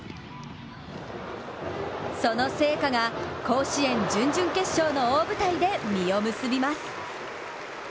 その成果が、甲子園準々決勝の大舞台で実を結びます。